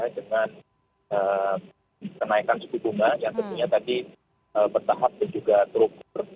dengan kenaikan suku bunga yang tentunya tadi bertahap dan juga terukur